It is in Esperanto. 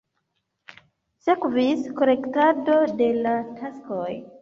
Sekvis korektado de la taskoj.